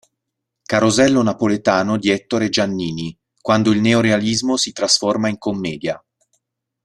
Carosello napoletano di Ettore Giannini"; "Quando il neorealismo si trasforma in commedia.